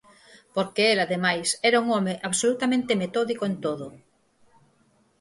Porque el ademais era un home absolutamente metódico en todo.